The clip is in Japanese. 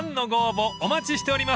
お待ちしております］